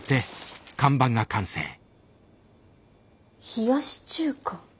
冷やし中華。